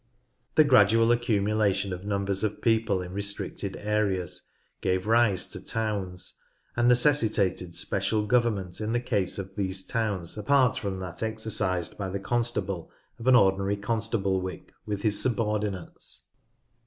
The gradual accumulation of numbers of people in restricted areas gave rise to towns, and necessitated special government in the case of these towns apart from that exercised by the constable of an ordinary constablewick with his subordinates.